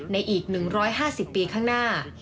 อีก๑๕๐ปีข้างหน้า